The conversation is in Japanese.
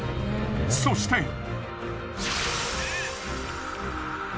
そして。